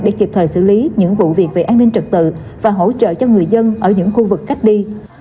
để kịp thời xử lý những vụ việc về an ninh trật tự và hỗ trợ cho người dân ở những khu vực cách ly